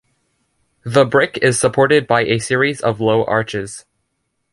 The brick is supported by a series of low arches.